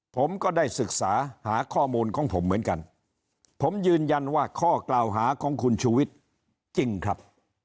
ผมก็ได้ศึกษาหาข้อมูลของผมเหมือนกันผมยืนยันว่าข้อกล่าวหาของคุณชูวิทย์จริงครับ